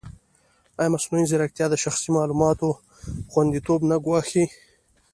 ایا مصنوعي ځیرکتیا د شخصي معلوماتو خوندیتوب نه ګواښي؟